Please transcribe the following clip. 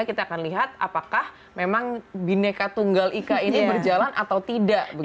kita akan lihat apakah memang bineka tunggal ika ini berjalan atau tidak